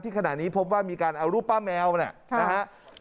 ขณะนี้พบว่ามีการเอารูปป้าแมวนะครับ